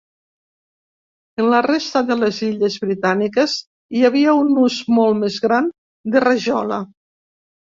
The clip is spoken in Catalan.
En la resta de les illes britàniques hi havia un ús molt més gran de rajola.